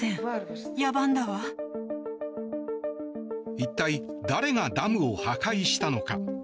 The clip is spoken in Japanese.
一体誰がダムを破壊したのか。